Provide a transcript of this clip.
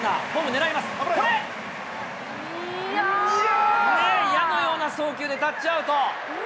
ねえ、矢のような送球でタッチアウト。